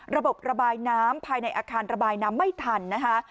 ระบบระบายน้ำภายในอาคารระบายน้ำไม่ทันนะคะ